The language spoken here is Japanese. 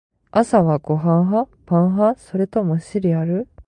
朝はご飯派？パン派？それともシリアル？